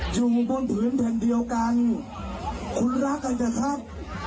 อยู่บ้านพื้นเพียงเดียวกันคุณรักกันแต่ครับ